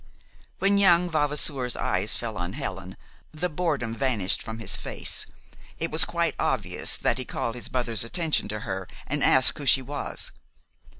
When young Vavasour's eyes fell on Helen, the boredom vanished from his face. It was quite obvious that he called his mother's attention to her and asked who she was.